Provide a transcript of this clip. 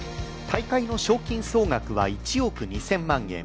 大会の賞金総額は１億２０００万円。